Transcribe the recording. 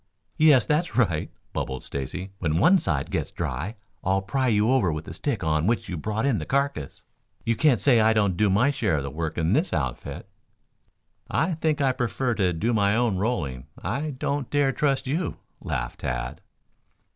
"Yes, that's right," bubbled Stacy. "When one side gets dry I'll pry you over with the stick on which you brought in the carcass. You can't say I don't do my share of the work in this outfit." "I think I prefer to do my own rolling. I don't dare trust you," laughed Tad.